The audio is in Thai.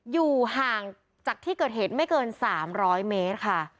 อยู่ห่างจากที่เกิดเหตุไม่เกิน๓๐๐เมตรค่ะ